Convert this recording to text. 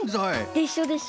でしょでしょ？